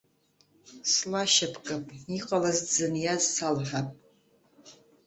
Слашьапкып, иҟалаз, дзыниаз салҳәап.